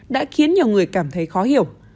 đã khiến nhiều người cảm thấy khó hiểu